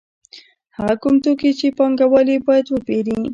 هغه کوم توکي دي چې پانګوال یې باید وپېري